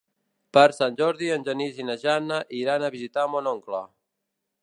Per Sant Jordi en Genís i na Joana iran a visitar mon oncle.